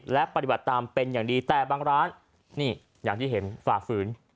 และปฏิบัติตามเป็นอย่างดีแต่บางร้านนี่อย่างที่เห็นฝ่าฝืน